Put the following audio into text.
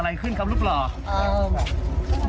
สวัสดีค่ะขออนุญาตครับ